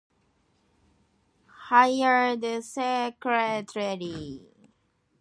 William Sneath dictates his latest book to a hired secretary.